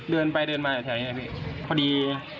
เดินไปมาแถวนี้พอดี